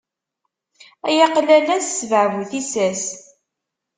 Ay aqlalas ssbeɛ bu tissas.